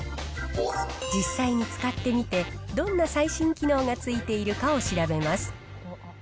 実際に使ってみて、どんな最新機能が付いているかを調べます。